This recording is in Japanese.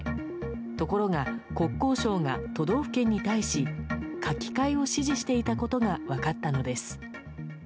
ところが国交省が都道府県に対し書き換えを指示していたことが分かったのです。